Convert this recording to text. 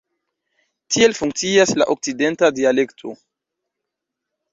Tiel funkcias la okcidenta dialekto.